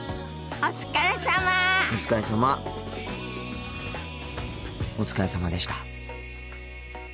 お疲れさまでした。